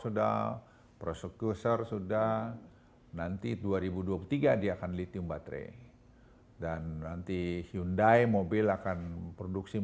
sudah prosekuser sudah nanti dua ribu dua puluh tiga dia akan lithium baterai dan nanti hyundai mobil akan produksi